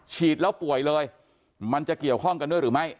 ฉีดแล้วป่วยเลยมันจะเกี่ยวข้องกันด้วยหรือไม่